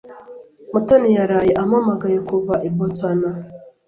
Mutoni yaraye ampamagaye kuva i Boston.